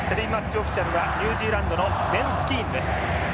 オフィシャルはニュージーランドのベンスキーンです。